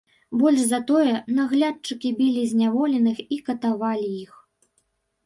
Больш за тое, наглядчыкі білі зняволеных і катавалі іх.